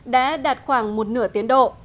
đã đạt khoảng một nửa tiến độ